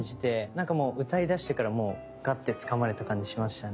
なんかもう歌い出してからもうガッてつかまれた感じしましたね。